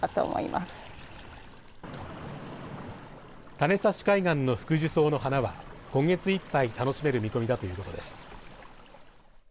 種差海岸のフクジュソウの花は今月いっぱい楽しめる見込みだということです。